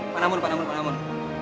panamun panamun panamun